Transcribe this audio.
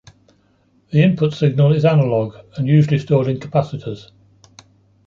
The input signal is analog, and usually stored in capacitors.